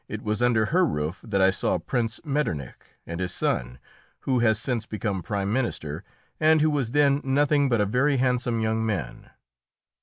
It was under her roof that I saw Prince Metternich and his son, who has since become prime minister, and who was then nothing but a very handsome young man.